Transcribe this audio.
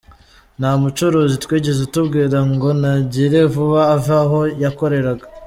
Nta mucuruzi twigeze tubwira ngo nagire vuba ave aho yakoreraga.